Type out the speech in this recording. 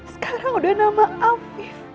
sekarang udah nama afif